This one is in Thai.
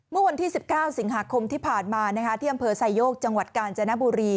เมื่อวันที่๑๙สิงหาคมที่ผ่านมาที่อำเภอไซโยกจังหวัดกาญจนบุรี